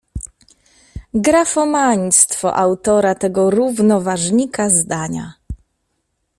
Grafomaństwo autora tego równoważnika zdania.